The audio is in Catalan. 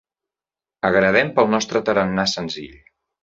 Agradem pel nostre tarannà senzill.